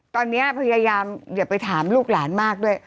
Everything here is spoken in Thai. ตอนนี้พยายามอย่าไปถามลูกหลานมากด้วย